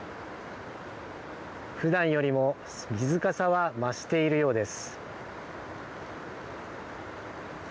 ふだんよりも水かさは増しているようです。